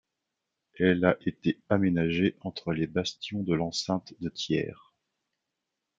Elle a été aménagée entre les bastions de l'enceinte de Thiers.